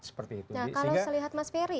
kalau saya lihat mas ferry